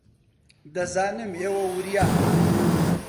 دەزانم ئێوە وریان.